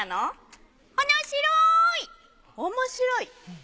おもしろい。